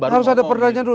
harus ada perdanya dulu